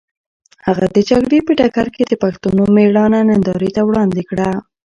هغه د جګړې په ډګر کې د پښتنو مېړانه نندارې ته وړاندې کړه.